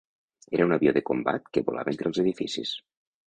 Era un avió de combat que volava entre els edificis.